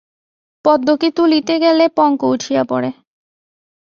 পদ্মকে তুলিতে গেলে পঙ্ক উঠিয়া পড়ে।